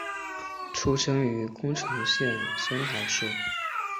出身于宫城县仙台市。